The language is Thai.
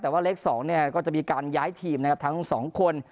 แต่ว่าเลข๒เนี่ยก็จะมีการย้ายทีมนะครับทั้งสองคน